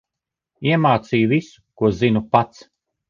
Iemācīju visu, ko zinu pats.